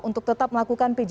untuk tetap melakukan pjj